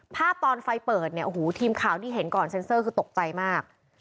ภาพตอนไฟเปิดเนี่ยโอ้โหทีมข่าวที่เห็นก่อนเซ็นเซอร์คือตกใจมาก